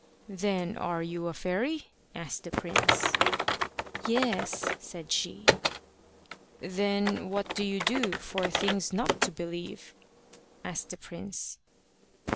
"Then are you a fairy?" asked the prince. "Yes," said she. "Then what do you do for things not to believe?" asked the prince.